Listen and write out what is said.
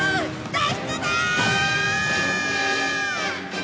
脱出だっ！